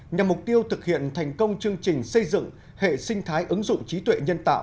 nhằm mục tiêu thực hiện thành công chương trình xây dựng hệ sinh thái ứng dụng trí tuệ nhân tạo